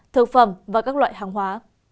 thực phẩm và các loại hàng hóa